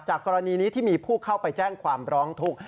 กรณีนี้ที่มีผู้เข้าไปแจ้งความร้องทุกข์